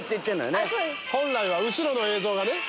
本来は後ろの映像がね。